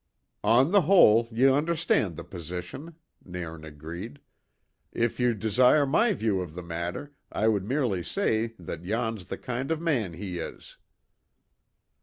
"On the whole, ye understand the position," Nairn agreed, "If ye desire my view of the matter, I would merely say that yon's the kind of man he is."